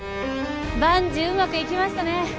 万事うまくいきましたね